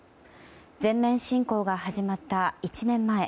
全面侵攻が始まった１年前。